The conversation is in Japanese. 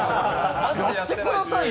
やってくださいよ。